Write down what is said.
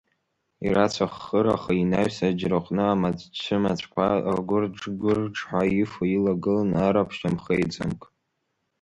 Ирацәаххыраха, инаҩс аџьраҟны амаҵә-чымаҵәқәа аӷәырџӷәырџҳәа ифо илагылан Араԥ шьамхеицамк.